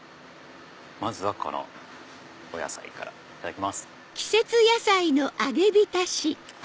まずはこのお野菜からいただきます。